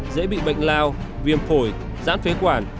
dễ bị bệnh lao viêm phổi giãn phế quản